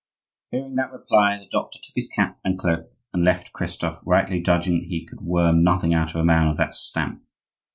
Hearing that reply, the doctor took his cap and cloak and left Christophe, rightly judging that he could worm nothing out of a man of that stamp.